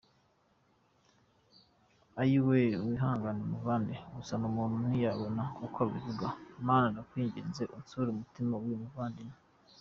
Ayweeee wihangane muvandi gusa umuntu ntiyabona ukwabivuga Mana ndakwinginze unsure umutima wuyu muvandimwe.